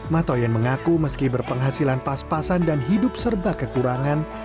matoyen mengaku meski berpenghasilan pas pasan dan hidup serba kekurangan